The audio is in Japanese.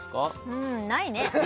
うんないね！